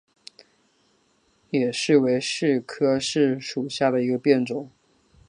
野柿为柿科柿属下的一个变种。